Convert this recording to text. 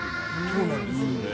そうなんですよね。